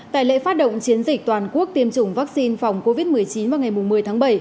tại lễ phát động chiến dịch toàn quốc tiêm chủng vaccine phòng covid một mươi chín vào ngày một mươi tháng bảy